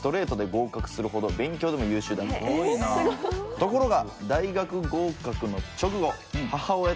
ところが。